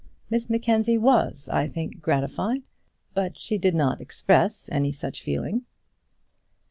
Miss Mackenzie was, I think, gratified, but she did not express any such feeling.